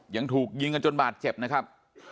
ยังถูกยิงกันจนบาดเจ็บนะครับ